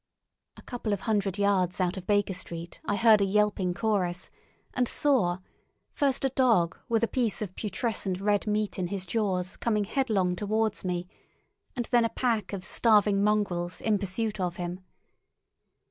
A couple of hundred yards out of Baker Street I heard a yelping chorus, and saw, first a dog with a piece of putrescent red meat in his jaws coming headlong towards me, and then a pack of starving mongrels in pursuit of him.